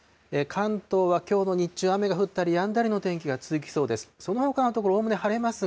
関東はきょうの日中、雨が降ったりやんだりの天気が続きそうです。